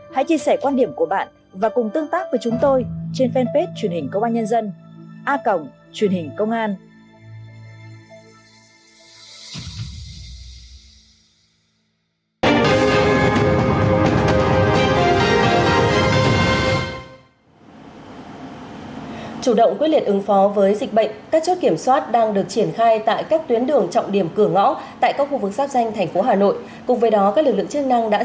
hãy chia sẻ quan điểm của bạn và cùng tương tác với chúng tôi trên fanpage truyền hình công an nhân dân a cộng truyền hình công an